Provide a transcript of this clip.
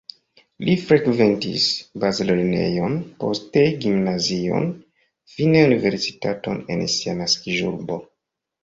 Li frekventis bazlernejon, poste gimnazion, fine universitaton en sia naskiĝurbo.